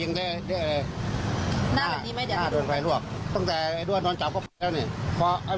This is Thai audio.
หน้าแบบนี้ไหมใกล้ถึงหลัก